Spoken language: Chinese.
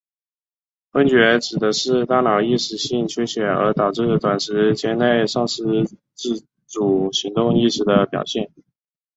晕厥指的是大脑一时性缺血而导致短时间内丧失自主行动意识的表现。